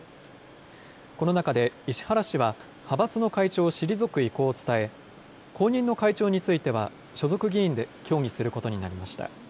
この中で石原氏は派閥の会長を退く意向を伝え、後任の会長については所属議員で協議することになりました。